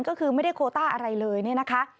ก็คือไม่ได้โคต้าอะไรเลยเนี่ยนะคะ